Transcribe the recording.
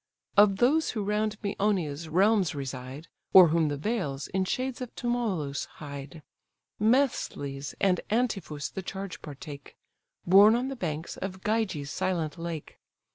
Of those who round Mæonia's realms reside, Or whom the vales in shades of Tmolus hide, Mestles and Antiphus the charge partake, Born on the banks of Gyges' silent lake.